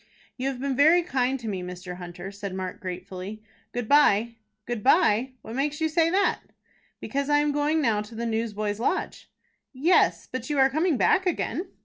"You have been very kind to me, Mr. Hunter," said Mark, gratefully. "Good by." "Good by? What makes you say that?" "Because I am going now to the Newsboys' Lodge." "Yes, but you are coming back again."